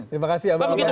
pak begitu bang ruta